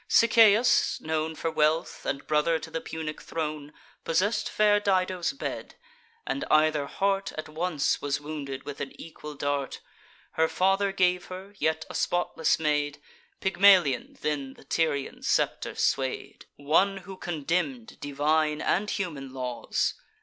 Sichaeus, known For wealth, and brother to the Punic throne, Possess'd fair Dido's bed; and either heart At once was wounded with an equal dart. Her father gave her, yet a spotless maid; Pygmalion then the Tyrian scepter sway'd: One who condemn'd divine and human laws.